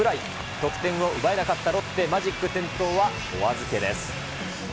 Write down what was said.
得点を奪えなかったろって、マジック点灯はお預けです。